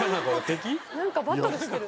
なんかバトルしてる？